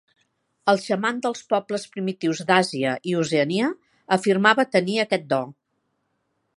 El xaman dels pobles primitius d'Àsia i Oceania afirmava tenir aquest do.